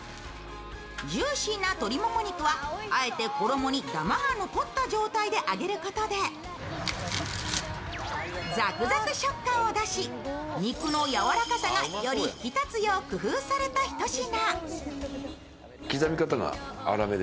ジューシーな鶏もも肉はあえてころもにダマが残った状態で揚げることでザクザク食感を出し、肉の柔らかさがより引き立つよう工夫された一品。